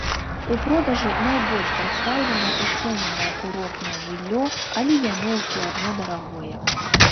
У продажы найбольш прадстаўлена ўцэненае курортнае жыллё, але яно ўсё адно дарагое.